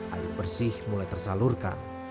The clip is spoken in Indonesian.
air bersih mulai tersalurkan